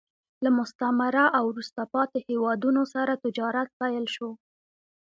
له مستعمره او وروسته پاتې هېوادونو سره تجارت پیل شو